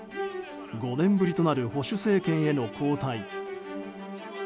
５年ぶりとなる保守政権への交代。